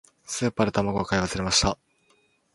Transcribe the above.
スーパーで卵を買い忘れました。